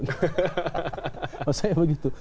mas rehad begitu